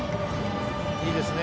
いいですね。